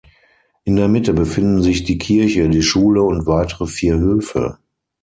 In der Mitte befinden sich die Kirche, die Schule und weitere vier Höfe.